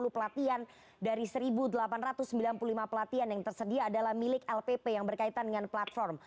dua ratus lima puluh pelatihan dari seribu delapan ratus sembilan puluh lima pelatihan yang tersedia adalah milik lpk yang berkaitan dengan platform